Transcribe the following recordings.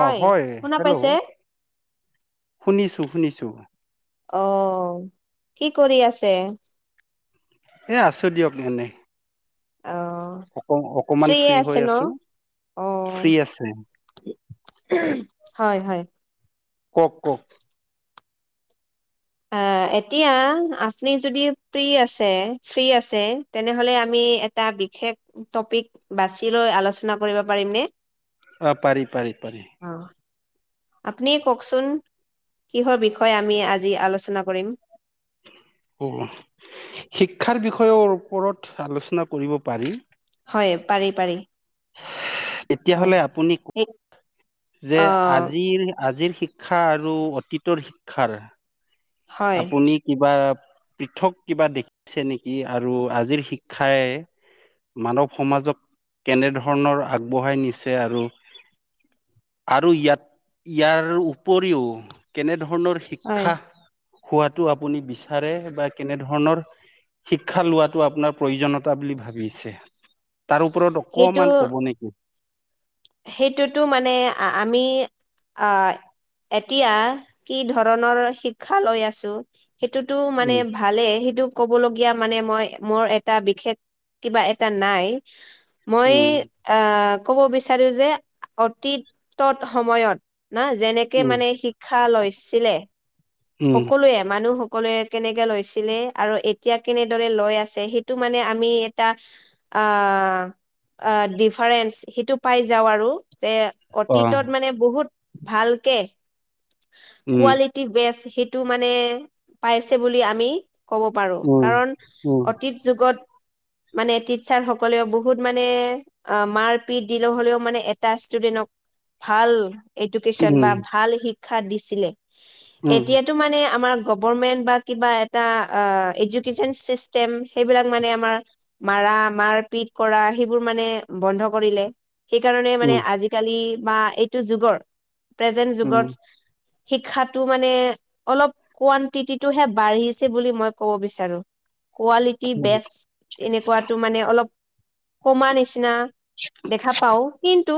অ, হয় শুনা হেল্ল, পাইছে শুনিছো-শুনিছো অ, কি কৰি আছে? এই আছোঁ দিয়ক এনেই। অ, অক-অকমান ফ্ৰী হৈ আছো, অহ ফ্ৰী আছে হয়, হয়। ক'ওক, ক'ওক এতিয়া আপুনি যদি ফ্ৰী আছে, ফ্ৰী আছে। তেনেহ'লে আমি এটা বিশেষ টপিক বাছি লৈ আলোচনা কৰিব পাৰিমনে? অ, পাৰি, পাৰি, পাৰি। অ, আপুনিয়ে কওঁকচোন, কিহৰ বিষয়ে আমি আজি আলোচনা কৰিম। অ, শিক্ষাৰ বিষয়ৰ ওপৰত আলোচনা কৰিব পাৰি। হয়, পাৰি, পাৰি। অ তেতিয়াহলে আপুনি সেই যে অ আজিৰ, আজিৰ শিক্ষা আৰু অতীতৰ শিক্ষাৰ হয় আপুনি কিবা পৃথক কিবা দেখিছে নেকি? আৰু আজিৰ শিক্ষাই মানৱ সমাজক কেনে ধৰণৰ আগবঢ়াই নিছে, আৰু আৰু ইয়াত, ইয়াৰ উপৰিও, কেনে ধৰণৰ হয় শিক্ষা হোৱাটো আপুনি বিচাৰে বা কেনে ধৰণৰ শিক্ষা লোৱাটো আপোনাৰ প্ৰয়োজনীয়তা বুলি ভাবিছে, তাৰ ওপৰত সেইটো অকমান ক'ব নেকি? সেইটোতো মানে, আ, আমি আহ এতিয়া, কি ধৰণৰ শিক্ষা লৈ আছো, সেইটোতো মানে উম, ভালে, সেইটো ক'বলগীয়া মানে মই মোৰ এটা বিশেষ কিবা এটা নাই, মই উম, আহ, কব বিচাৰ চাৰো, যে অতীতত সময়ত ন, যেনেকে উম, মানে শি ক্ষা, লৈছিলে উম, সকলোৱে মানুহক ক'লে কেনেকে লৈছিলে, আৰু এতিয়া কেনেদৰে লৈ আছে, সেইটো মানে আমি এটা আহ, ডিফাৰেন্স সেইটো পাই যাওঁ আৰু যে, অ', অতীতত মানে বহুত ভালকে উম, কোৱালিটি বেষ্ট সেইটো মানে পাইছে বুলি আমি ক'ব পাৰো উম, কাৰণ উম, অতীত যোগত মানে টিচাৰ সকলেও বহুত মানে অঁ মাৰপিত যি নহ'লেও মানে এটা ষ্টুডেন্টক ভাল, এডুকেশ্যন বা উম, ভাল শিক্ষা দিছিলে, উম, এতিয়া টো মানে আমাৰ গভৰ্ণমেণ্ট বা কিবা এটা আঁহ এডুকেশ্বন চিষ্টেম সেইবিলাক মানে আমাৰ মাৰা মাৰ পিট কৰা, সেইবোৰ মানে বন্ধ কৰিলে। সেইকাৰণে মানে উম, আজিকালি বা এইটো যুগৰ, প্ৰেজেন্ট যুগত শিক্ষাটো মানে অলপ কুৱান্তিটোহে বাঢ়িছে বুলি মই কব বিচাৰো। কোৱালিটি উম, বেষ্ট এনেকুৱাটো মানে অলপ কমা নিচিনা [inaudible] দেখা পাও, কিন্ত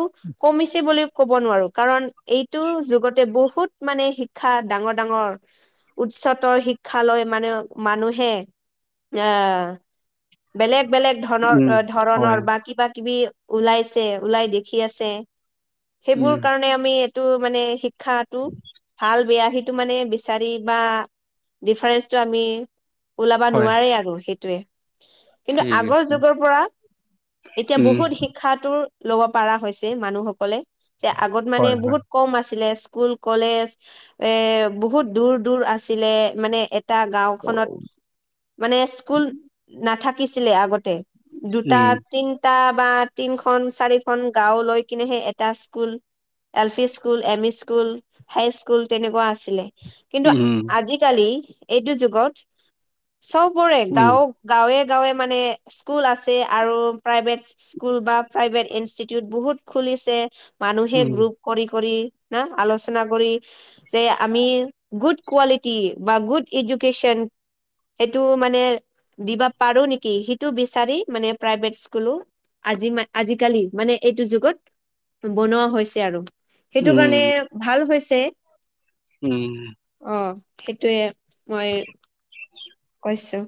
কমিছে বুলিও ক'ব নোৱাৰো, কাৰণ এইটো যুগতে বহুত মানে শিক্ষা ডাঙৰ ডাঙৰ উচ্চতৰ শিক্ষালৈ মানে মানুহে আহঁ বেলেগ বেলেগ ধনৰ উম, আহ হয়, ধৰণৰ বা কিবা কিবি ওলাইছে ওলাই দেখি আছে। সেইবোৰ উম, কাৰণে আমি এইটো মানে শিক ক্ষাটো ভাল বেয়া হিটো মানে বিচাৰি বা ডিফাৰেন্ঞ্চটো আমি ওলাব হয়, নোৱাৰে আৰু সেইটোয়ে। কিন্তু ঠিক আগৰ আছে, যুগৰ পৰা এতিয়া উম, বহুত শি শিক্ষাটোৰ লব পৰা হৈছে, মানুহসকলে যে আগত মানে হয়, হয়, বহুত কম আছিলে, স্কুল কলেজ এ বহুত দূৰ দূৰ আছিলে মানে এটা গাঁওখনত উম, মানে স্কুল নাথাকিছিলে আগতে। দুটা উম, তিনিটা বা তিনখন চাৰিখন গাঁও লৈ কিনেহে এটা school L P school M E school high school তেনেকুৱা আছিলে। কিন্তু আজিকালি এইটো যুগত চবৰে উম, গাঁওক গাঁৱে গাঁৱে মানে স্কুল আছে আৰু প্ৰাইভেতচ স্কুল বা প্ৰাইভেট ইনষ্টিটিউট বহুত খুলিছে, মানুহে উম, গ্ৰুপ কৰি কৰি না আলোচনা কৰি। যে আমি গুড কোৱালিটি বা গুড এডুকেশ্যন সেইটো মানে দিবা পাৰো নেকি, সেইটো বিচাৰি মানে প্ৰাইভেট স্কুলো আজি ম আজিকালি মানে এইটো যুগত বনোৱা হৈছে আৰু, সেইটো কাৰণে উম, ভাল হৈছে। উম অঁ সেইটোয়ে মই কৈছো।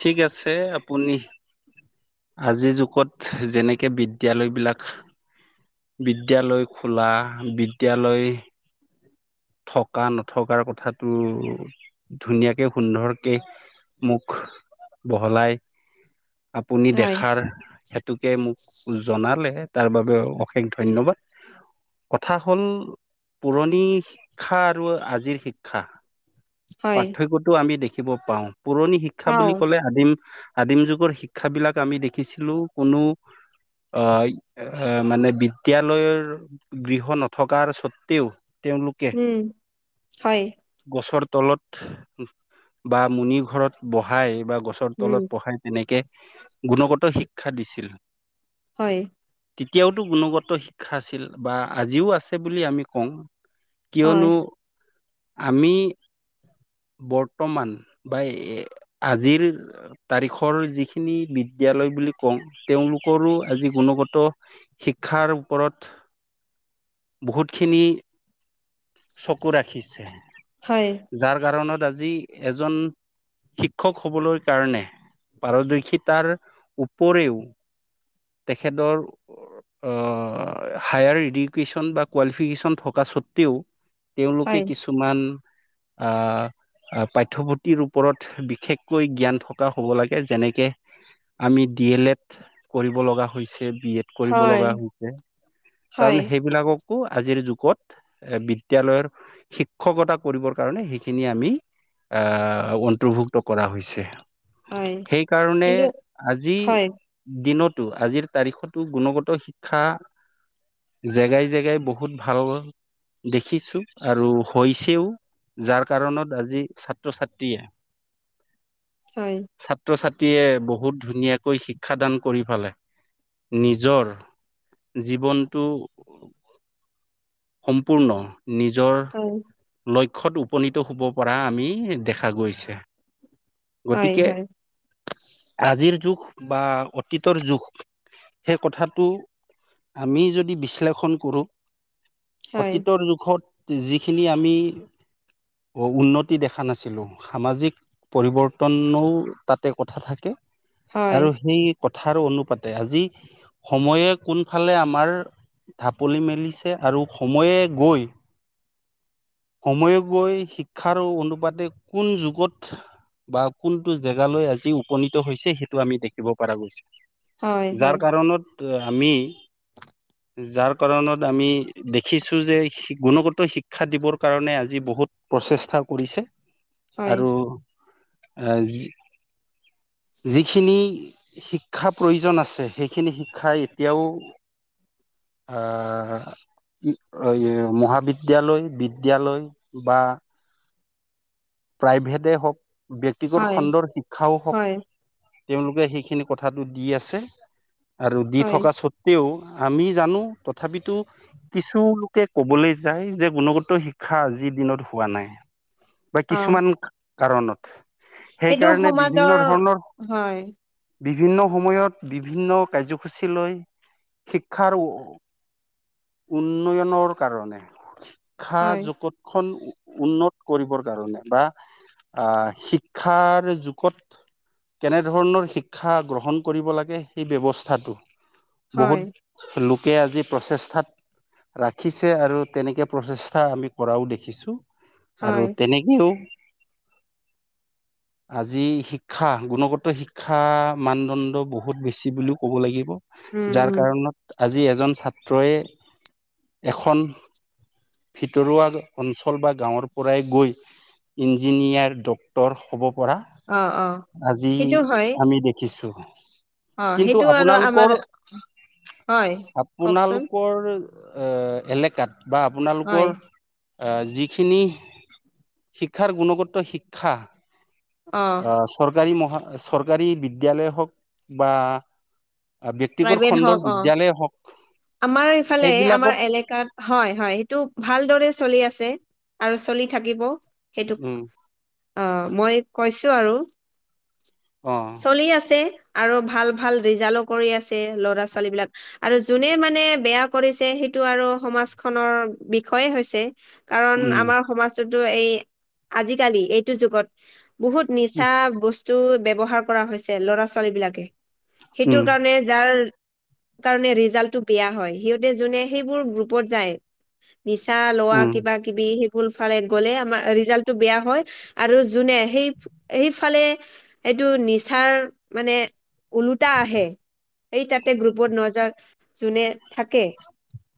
ঠিক আছে, আপুনি আজিৰ যুগত যেনেকে বিদ্যালয় বিলাক বিদ্যালয় খোলা বিদ্যালয় থকা নথকাৰ কথাটো ধুনীয়াকে সুন্দৰকে মোক বহলাই আপুনি হয় দেখাৰ হেতোকে মোক জনালে তাৰ বাবে অশেষ ধন্যবাদ। কথা হ'ল পুৰণি ক্ষা আৰু আজিৰ শিক্ষা হয় পাৰ্থক্যটো আমি দেখিব পাওঁ। পুৰণি শিক্ শিক্ষা অ বুলি ক'লে আদিম আদিম যুগৰ শিক্ষা বিলাক আমি দেখিছিলোঁ কোনো আ এ মানে বিদ্যালয়ৰ গৃহ নথকাৰ স্বত্বেও তেওঁলোকে ওঁ, হয়। গছৰ তলত বা মুনি ঘৰত বহাই বা গছ ছৰ উম, তলত পঢ়াই তেনেকে গুণগত শিক্ষা দিছিল। হয়। তিতিয়াওটো গুণগত শিক্ষা আছিল বা আজিও আছে বুলি আমি কম। হয়, কিয়নো আমি বৰ্তমান বা এ আজিৰ তাৰিখৰ যিখিনি বিদ্যালয় বুলি কওঁ, তেওঁলোকৰো আজি গুণগত শিক্ষাৰ ওপৰত বহুতখিনি চকু ৰাখিছে। হয়। যাৰ কাৰণত আজি এজন শিক্ষক হ'বলৈ কাৰণে পাৰদৰ্শিতাৰ উপৰেও তেখেতৰ অঁ, হায়াৰ এডুকেশ্যন বা কোৱালিফিকেশ্যন থকা স্বত্বেও। তেওঁলোকে হয়, কিছুমান আঁহ আ পাঠ্যপুথিৰ ওপৰত বিশেষকৈ জ্ঞান থকা হ'ব লাগে যেনেকে আমি ডি এল এড কৰিব লগা হৈছে, বি এড কৰিব হয়, লগা হৈছে। হয়, কাৰণ সেইবিলাক কো আজিৰ যুগত এ বিদ্যয়ালয়ৰ শিক্ষকতা কৰিবৰ কাৰণে সেইখিনি আমি আঁ অন্তৰ্ভুক্ত কৰা হৈছে। হয়, সেইকাৰণে কিন্তু আজি হয়, দিনত টো আজিৰ তাৰিখতো গুণগত শিক্ষা জেগাই জেগাই বহুত ভাল হোৱা দেখিছো আৰু হৈছেও। যাৰ কাৰণত আজি ছাত্ৰ-ছাত্ৰীয়ে হয়। ছাত্ৰ-ছাত্ৰীয়ে বহুত ধুনীয়াকৈ শিক্ষাদান কৰিব পাৰে। নিজৰ জীৱনটো সম্পূৰ্ণ নিজৰ হয়, লক্ষ্যত উপনীত হ'ব পৰা আমি দেখা গৈছে। হয়, গতিকে, হয়, আজিৰ যুগ বা অ তিতীৰ যুগ সেই কথাটো আমি যদি বিশ্লেষণ কৰোঁ হয়, অতীতৰ যুগত যিখিনি আমি উ--উন্নতি দেখা নাছিলোঁ। সামাজিক পৰিৱৰ্তনো তাতে কথা থাকে হয়, আৰু সেই কথাৰ অনুপাতে আজি সময়ে কোনফালে আমাৰ ঢাপলি মেলিছে আৰু সময়ে গৈ সময়ে গৈ শিক্ষা অনুপাতে কোন যুগত বা কোনটো জেগালৈ আজি উপনীত হৈছে সেইটো আমি দেখিব পৰা গৈছে। হয়, হয়, যাৰ কাৰণত আমি যাৰ কাৰণত আমি দেখিছো যে গুণগত শিক্ষা দিবৰ কাৰণে আজি বহুত প্ৰচেষ্টা কৰিছে হয়, আৰু আহ যিখিনি শিক্ষা প্ৰয়োজন আছে সেইখিনি শিক্ষা এতিয়াও আহ মহাবিদ্যালয় বিদ দ্যালয় বা প্ৰাইভেটে হওঁক ব্যক্তিগত হয়, খণ্ডৰ শিক্ষাও হয়, হওঁক তেওঁলোকে সেইখিনি কথাটো দি আছে আৰু দি হয়, থকা চত তেও আমি জানো তথাপিতো কিছু লোকে কবলৈ যায় যে গুণগত শিক্ষা আজিৰ দিনত হোৱা নাই বা অ', কিছুমান কাৰণত সেইটো সেইকাৰণে সমাজৰ বিভিন্ন ধৰণৰ হয়, বিভিন্ন সময়ত, বিভিন্ন কাৰ্যসূচী লৈ শিক্ষাৰ উন্নয়নৰ কাৰণে শিক্ষা হয়, জগত খন উন্নত কৰিবৰ কাৰণে বা আহ শিক্ষাৰ যুগত কেনেধৰণৰ শিক্ষা গ্ৰহণ কৰিব লাগে সেই ব্যৱস্থাটো হয়, বহুত লোকে আজি প্ৰচেষ্টাত ৰাখিছে আৰু তেনেকে প্ৰচেষ্টা আমি কৰাও দেখিছো হয়, আৰু তেনে কেও আজি শিক্ষা গুণগত শিক্ষা মানদণ্ড বহুত বেছি বুলিও ক'ব লাগিব উম, যাৰ উম, কাৰণত আজি এজন ছাত্ৰই এখন ভিতৰুৱা অঞ্চল বা গাঁৱৰ পৰাই গৈ ইঞ্জিনিয়াৰ ডক্তৰ হব পৰা অ', অ', আজি সেইটো হয়, আমি দেখ খিছোঁ অ', কিন্তু সেইটো আৰু আমাৰ আপোনালোকৰ হয়, কওকচোন আপোনালোকৰ এলেকাত বা হয়, আপোনালোকৰ অ যিখিনি শিক্ষাৰ গুণগত শিক্ষা অ', আহ চৰকাৰী মহা চৰকাৰী বিদ্যালয় হওঁক বা ব্যক্তিগত প্ৰাইভেট খণ্ডৰ হওঁক অ বিদ্যালয়ে হওক আমাৰ ইফালে সেইবিলাকত আমাৰ এলেকাত হয় হয় সেইটো ভালদৰে চলি আছে আৰু চলি থাকিব সেইটো উম আহ মই কৈছো আৰু অ চলি আছে আৰু ভাল ভাল ৰিজাল্টো কৰি আছে ল'ৰা-ছোৱালী বিলাক আৰু যোনে মানে বেয়া কৰিছে সেইটো আৰু সমাজখনৰ বিষয়ে হৈছে কাৰণ আমাৰ উম সমাজটোতো এই আজিকালি এইটো যুগত বহুত নিচা বস্তু ব্যৱহাৰ কৰা হৈছে ল'ৰা- ছোৱালী বিলাকে সেটো উম কাৰণে যাৰ কাৰণে ৰিজাল্টটো বেয়া হয় সিহঁতে যোনে সেইবোৰ গ্ৰুপত যায় নিচা লোৱা উম কিবা- কিবি সেবোৰ ফালে গ'লে আমাৰ ৰিজাল্টটো বেয়া হয় আৰু যোনে সেই এইফালে এইটো নিচাৰ মানে ওলোটা আহে সেই তাতে গ্ৰুপত ন যোৱা যোনে থাকে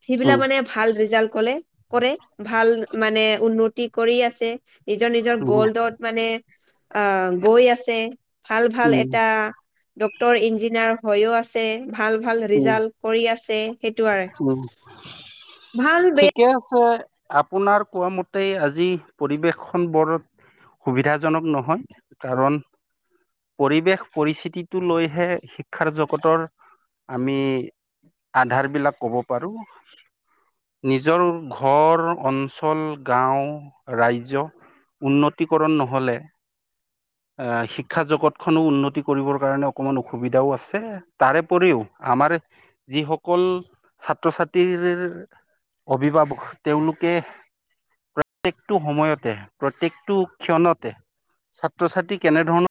সেইবিলাক উম মানে ভাল ৰিজাল্ট কলে কৰে, ভাল মানে উন্নতি কৰি আছে নিজৰ নিজৰ উম গ'ল্ডত মানে আহ গৈ আছে ভাল ভাল উম এটা ডক্তৰ, ইঞ্জিনিয়াৰ হৈও আছে ভাল ভাল উম ৰিজাল্ট কৰি আছে সেইটোৱে উম ভাল বে ঠিকে আছে আপোনাৰ কোৱা মতে আজি পৰিবেশ খন বৰ সুবিধাজনক নহয় কাৰণ পৰিৱেশ পৰিস্থিতিটো লৈহে শিক্ষাৰ জগতৰ আমি আধাৰ বিলাক ক'ব পাৰো নিজৰ ঘৰ অঞ্চল গাঁও ৰাজ্য উন্নতিকৰণ নহলে আহ শিক্ষা জগতখনো উন্নতি কৰিবৰ কাৰণে অকমান অসুবিধাও আছে তাৰ ওপৰিও আমাৰ যিসকল ছাত্ৰ ছাত্ৰীৰ অভিভাৱক তেওঁলোকে প্ৰত্যকটো সময়তে প্ৰত্যকটো ক্ষণতে ছাত্ৰ ছাত্ৰী কেনেধৰণৰ